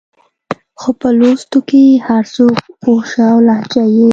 خو په لوستو کې هر څوک پوه شه او لهجه يې